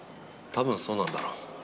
多分そうなんだろう。